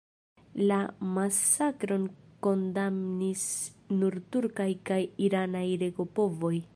La masakron kondamnis nur turkaj kaj iranaj regopovoj.